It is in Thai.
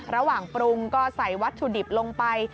ระหว่างปรุงก็ใส่วัตถุดิบลงไป